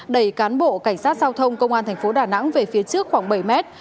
đẩy cán bộ cảnh sát giao thông công an thành phố đà nẵng về phía trước khoảng bảy mét